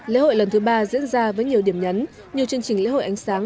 lễ hội lần thứ ba diễn ra với nhiều điểm nhấn